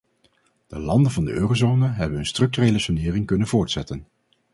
De landen van de eurozone hebben hun structurele sanering kunnen voortzetten.